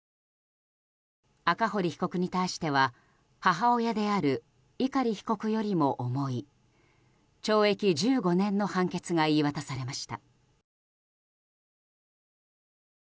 赤堀被告に対しては母親である碇被告よりも重い懲役１５年の判決が言い渡されました。